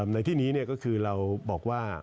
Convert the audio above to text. ในที่นี้ก็คือเราบอกว่า